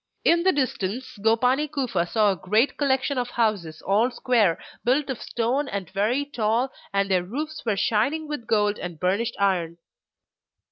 In the distance Gopani Kufa saw a great collection of houses all square, built of stone and very tall, and their roofs were shining with gold and burnished iron.